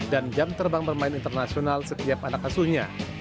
dan jam terbang bermain internasional setiap anak asuhnya